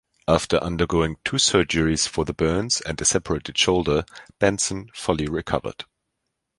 After undergoing two surgeries for the burns and a separated shoulder, Benson fully recovered.